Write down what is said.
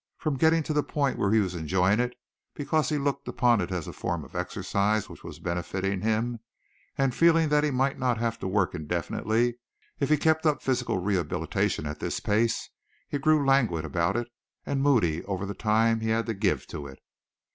From getting to the point where he was enjoying it because he looked upon it as a form of exercise which was benefiting him, and feeling that he might not have to work indefinitely if he kept up physical rehabilitation at this pace, he grew languid about it and moody over the time he had to give to it.